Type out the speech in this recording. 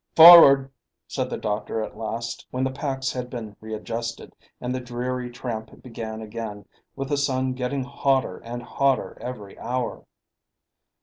"Forward!" said the doctor at last, when the packs had been readjusted; and the dreary tramp began again, with the sun getting hotter and hotter every hour.